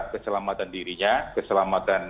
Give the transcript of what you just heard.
keselamatan dirinya keselamatan